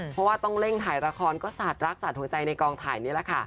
เพราะว่าต้องเร่งถ่ายละครก็สาดรักสาดหัวใจในกองถ่ายนี่แหละค่ะ